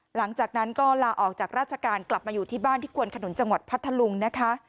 หลังจากนั้นก็ลาออกจากราชการกลับมาอยู่ที่บ้านที่ควนขนุนจังหวัดพัทธลุงนะคะ